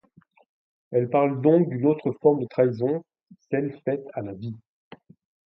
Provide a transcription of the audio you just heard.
Elle parle donc d'une autre forme de trahison, celle faite à la vie.